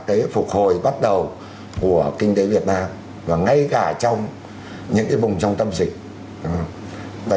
tế phục hồi bắt đầu của kinh tế việt nam và ngay cả trong những cái vùng trong tâm dịch đẩy